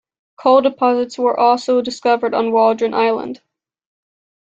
Coal deposits were also discovered on Waldron Island.